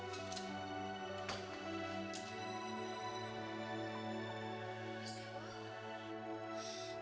mas kamu sudah sadar mas